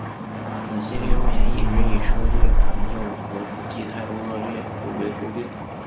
此系列路线一直以车队残旧和司机态度恶劣作为垢病。